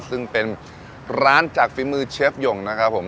ซึ่งเป็นร้านจากฝีมือเชฟหย่งนะครับผม